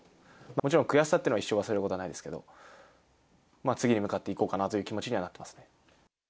もちろん悔しさっていうのは一生忘れることはないですけど、次に向かっていこうかなという気持ちにはなってますね。